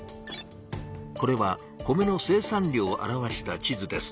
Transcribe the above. これは米の生産量を表した地図です。